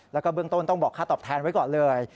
แล้วก็เบื้องต้นต้องบอกค่าตอบแทนไว้ก่อนเลย